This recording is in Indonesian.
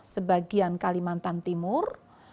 sebagian kalimantan timur